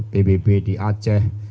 pbb di aceh